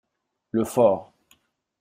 Le fort.